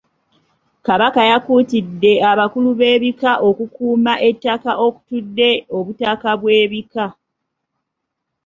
Kabaka yakuutidde abakulu b'ebika okukuuma ettaka okutudde obutaka bw'ebika.